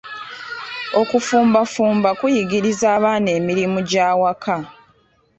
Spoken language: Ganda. Okufumbafumba kuyigiriza abaana emirimu gy'awaka.